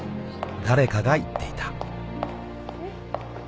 ［誰かが言っていた］